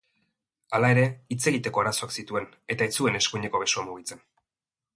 Hala ere, hitz egiteko arazoak zituen eta ez zuen eskuineko besoa mugitzen.